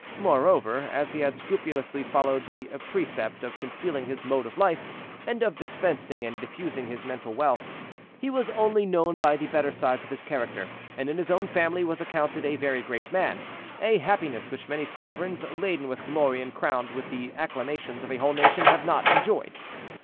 Moreover, as he had scrupulously followed the precept of concealing his mode of life, and of dispensing and diffusing his mental wealth, he was only known by the better sides of his character, and in his own family was accounted a very great man, a happiness which many sovereigns, laden with glory and crowned with the acclamations of a whole nation, have not enjoyed.